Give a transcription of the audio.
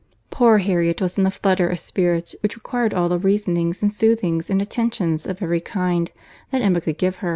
Poor Harriet was in a flutter of spirits which required all the reasonings and soothings and attentions of every kind that Emma could give.